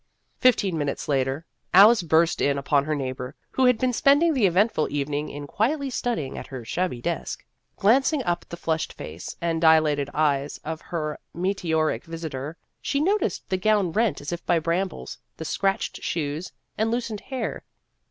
Fifteen minutes later Alice burst in upon her neighbor, who had been spending the eventful evening in quietly studying at her shabby desk. Glancing up at the flushed face and dilated eyes of her me teoric visitor, she noticed the gown rent as if by brambles, the scratched shoes, and loosened hair.